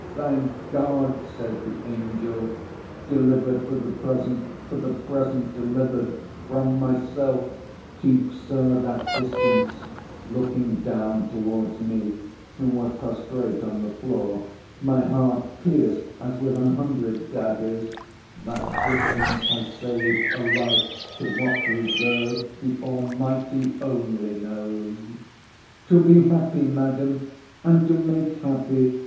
—thank God! said the angel—delivered for the present; for the present delivered—from myself—keep, Sir, that distance;' [looking down towards me, who was prostrate on the floor, my heart pierced, as with an hundred daggers;] 'that distance has saved a life; to what reserved, the Almighty only knows!'— To be happy, Madam; and to make happy!